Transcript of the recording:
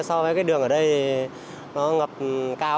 so với cái đường ở đây nó ngập cao